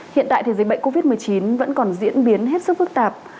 hiện tại thì dịch bệnh covid một mươi chín vẫn còn diễn biến hết sức phức tạp